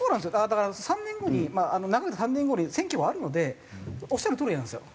だから３年後に長くて３年後に選挙はあるのでおっしゃるとおりなんですよ。